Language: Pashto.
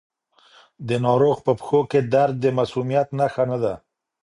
د ناروغ په پښو کې درد د مسمومیت نښه نه ده.